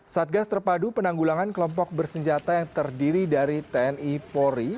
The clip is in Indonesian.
satgas terpadu penanggulangan kelompok bersenjata yang terdiri dari tni polri